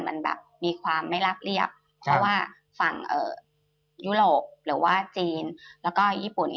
มันแบบมีความไม่รับเรียบเพราะว่าฝั่งยุโรปหรือว่าจีนแล้วก็ญี่ปุ่น